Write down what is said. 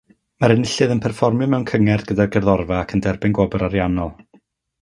Mae'r enillydd yn perfformio mewn cyngerdd gyda'r gerddorfa ac yn derbyn gwobr ariannol.